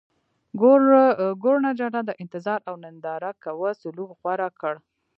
ګورنرجنرال د انتظار او ننداره کوه سلوک غوره کړ.